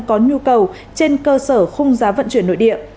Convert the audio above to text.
có nhu cầu trên cơ sở khung giá vận chuyển nội địa